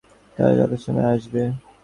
তারা যথাসময়েই আসবে।